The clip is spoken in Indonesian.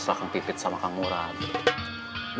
seberapa berasq pi i anyph told raih dua lok mengeizh tebiak davi deng